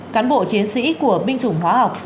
cán bộ chiến sĩ của binh chủng hóa học